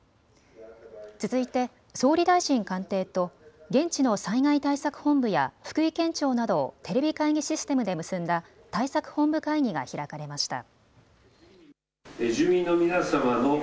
続いて総理大臣官邸と現地の災害対策本部や福井県庁などをテレビ会議システムで結んだ対策本部会議が開かれました。